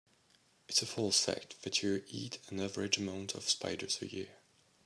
It's a false fact that you eat an average amount of spiders a year.